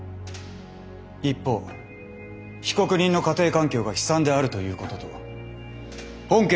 一方被告人の家庭環境が悲惨であるということと本件